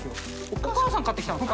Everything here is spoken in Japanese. お母さんが買ってきたんで。